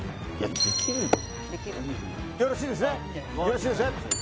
よろしいですね？